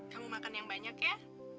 kamu makan yang banyak ya